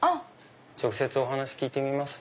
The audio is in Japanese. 直接お話聞いてみます？